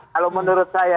kalau menurut saya